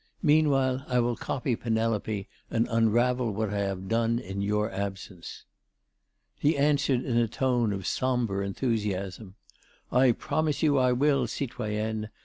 Meanwhile, I will copy Penelope and unravel what I have done in your absence." He answered in a tone of sombre enthusiasm: "I promise you I will, citoyenne.